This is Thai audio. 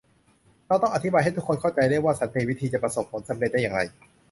เราต้องอธิบายให้ทุกคนเข้าใจได้ว่าสันติวิธีจะประสบผลสำเร็จได้อย่างไร